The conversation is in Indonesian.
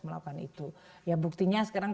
melakukan itu ya buktinya sekarang